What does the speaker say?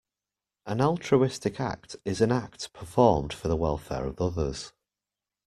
An altruistic act is an act performed for the welfare of others.